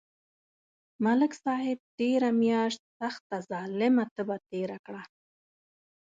ملک صاحب تېره میاشت سخته ظلمه تبه تېره کړه.